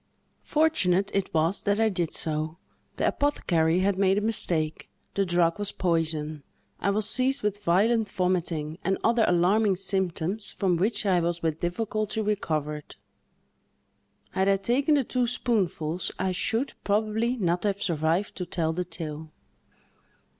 Fortunate it was that I did so; the apothecary had made a mistake; the drug was poison; I was seized with a violent vomiting, and other alarming symptoms, from which I was with difficulty recovered. Had I taken the two spoonfuls, I should, probably, not have survived to tell the tale."